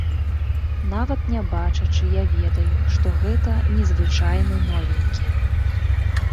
Нават не бачачы, я ведаю, што гэта не звычайны новенькі.